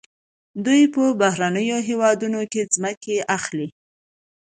دوی په بهرنیو هیوادونو کې ځمکې اخلي.